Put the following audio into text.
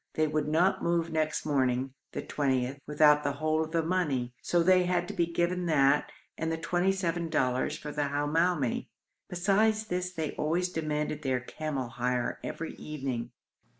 They would not move next morning (the 20th) without the whole of the money, so they had to be given that and the twenty seven dollars for the Hamoumi. Besides this they always demanded their camel hire every evening.